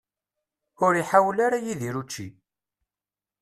Ur iḥawel ara Yidir učči.